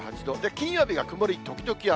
金曜日が曇り時々雨。